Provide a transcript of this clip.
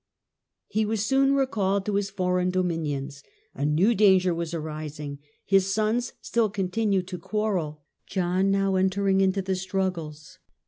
% He was soon recalled to his foreign dominions. A new danger was arising. His sons still continued to quarrel — John now entering into the struggles.